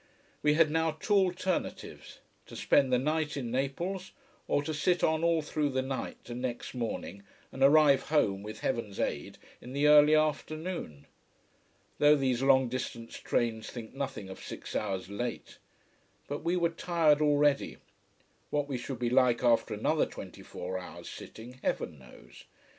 We had now two alternatives: to spend the night in Naples, or to sit on all through the night and next morning, and arrive home, with heaven's aid, in the early afternoon. Though these long distance trains think nothing of six hours late. But we were tired already. What we should be like after another twenty four hours' sitting, heaven knows.